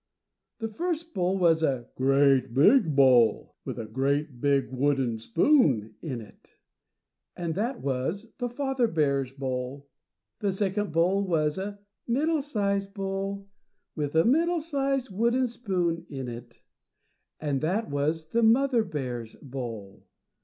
The first bowl was a GREAT BIG BOWL with a GREAT BIG WOODEN SPOON in it, and that was the father bear's bowl. The second bowl was a +middle sized bowl+, with a +middle sized wooden spoon+ in it, and that was the mother bear's bowl.